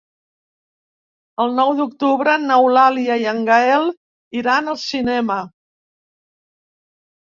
El nou d'octubre n'Eulàlia i en Gaël iran al cinema.